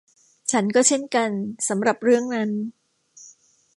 ฉันก็เช่นกันสำหรับเรื่องนั้น